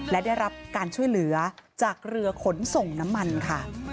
และได้รับการช่วยเหลือจากเรือขนส่งน้ำมันค่ะ